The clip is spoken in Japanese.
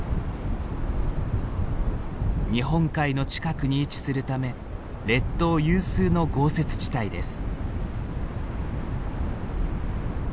日本海の近くに位置するため列島有数の豪雪地帯です。